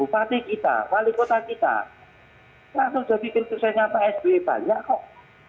bupati kita wali kota kita langsung sudah bikin susah nyata sbi banyak kok